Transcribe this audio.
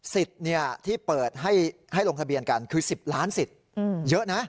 สิทธิ์ที่เปิดให้ลงทะเบียนกันคือ๑๐ล้านสิทธิ์เยอะนะ